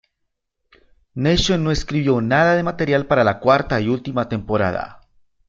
Nation no escribió nada de material para la cuarta y última temporada.